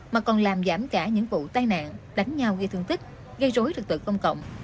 và còn làm giảm cả những vụ tai nạn đánh nhau gây thương tức gây rối thực tực công cộng